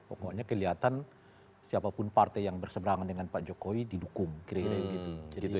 pokoknya kelihatan siapapun partai yang berseberangan dengan pak jokowi didukung kira kira gitu